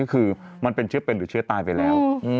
คือมันเป็นเชื้อเป็นหรือเชื้อตายไปแล้ว